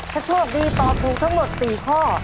ถ้าโชคดีตอบถูกทั้งหมด๔ข้อ